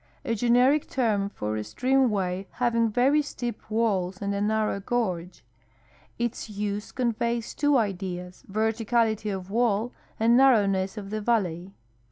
— A generic term for a streamway having very steep walls and a narrow gorge. Its use conveys two ideas, verticality of wall and nar rowness of the valley.